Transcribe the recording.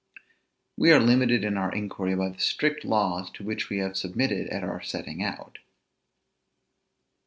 We are limited in our inquiry by the strict laws to which we have submitted at our setting out.